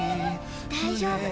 大丈夫。